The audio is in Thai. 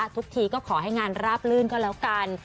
ทุกทีก็ขอให้งานราบลื่นก็แล้วกัน